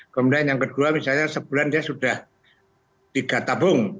kemudian yang kedua misalnya sebulan dia sudah tiga tabung